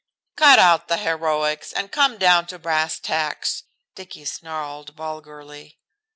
"Cut out the heroics, and come down to brass tacks," Dicky snarled vulgarly.